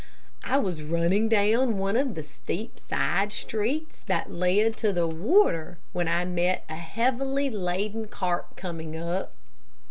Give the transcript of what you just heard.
I was running down one of the steep side streets that led to the water when I met a heavily laden cart coming up.